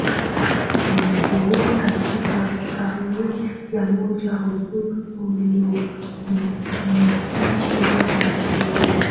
Waiguri Katika karne ya moja Oghuz iliyoshinikizwa na Kirghiz